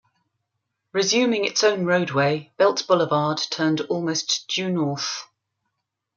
Resuming its own roadway, Belt Boulevard turned almost due north.